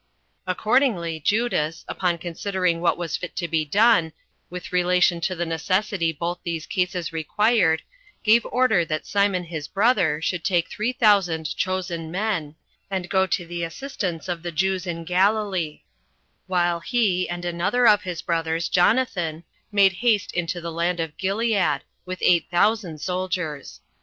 2. Accordingly Judas, upon considering what was fit to be done, with relation to the necessity both these cases required, gave order that Simon his brother should take three thousand chosen men, and go to the assistance of the Jews in Galilee, while he and another of his brothers, Jonathan, made haste into the land of Gilead, with eight thousand soldiers.